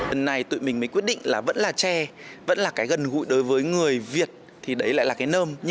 hôm nay tụi mình mới quyết định là vẫn là tre vẫn là cái gần gụi đối với người việt thì đấy lại là cái nơm